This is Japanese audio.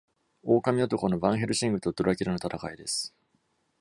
狼男のヴァンヘルシングとドラキュラの戦いです。